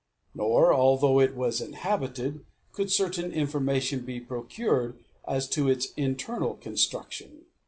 Nor, although it was inhabited, could certain information be procured as to its internal construction.